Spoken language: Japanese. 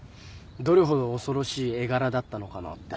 どれほど恐ろしい絵柄だったのかなって。